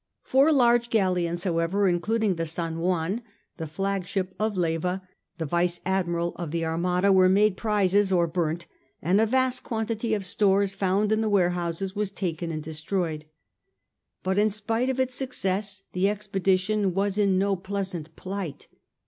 Four large galleons, however, including the San JuaUy the flagship of Leyva, the vice admiral of the Armada, were made prizes or bumt^ and a vast quantity of stores found in the warehouses was taken and destroyed. But in spite of its success the expedition was in no pleasant plight.